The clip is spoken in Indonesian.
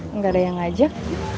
enggak ada yang ngajak